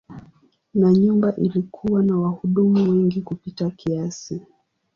Na nyumba ilikuwa na wahudumu wengi kupita kiasi.